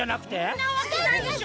そんなわけないでしょ。